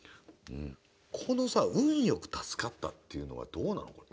このさ「運よく助かった」っていうのはどうなのかね。